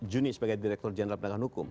juni sebagai direktur jenderal pendagangan hukum